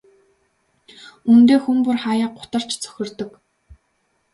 Үнэндээ хүн бүр хааяа гутарч цөхөрдөг.